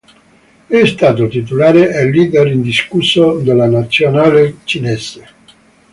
È stato titolare e leader indiscusso della nazionale cinese.